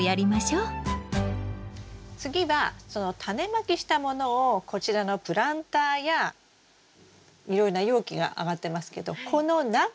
次はそのタネまきしたものをこちらのプランターやいろいろな容器が上がってますけどこの中に入れて育てようと思うんです。